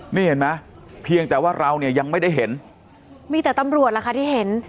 นี่เห็นไหมเพียงแต่ว่าเราเนี่ยยังไม่ได้เห็นมีแต่ตำรวจล่ะค่ะที่เห็น